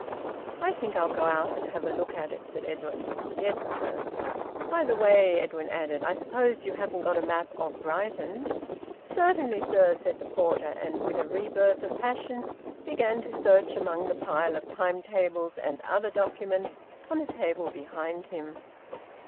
"I think I'll go out and have a look at it," said Edwin. "Yes, sir." "By the way," Edwin added, "I suppose you haven't got a map of Brighton?" "Certainly, sir," said the porter, and with a rebirth of passion began to search among the pile of time tables and other documents on a table behind him.